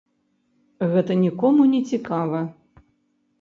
Гэта нікому не цікава.